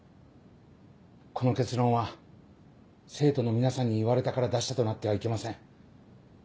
この結論は生徒の皆さんに言われたから出したとなってはいけません。